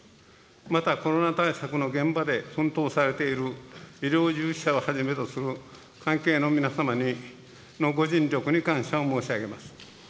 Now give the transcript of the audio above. また、コロナ対策の現場で奮闘されている医療従事者をはじめとする関係の皆様のご尽力に感謝を申し上げます。